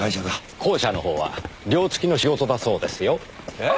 後者のほうは寮付きの仕事だそうですよ。えっ？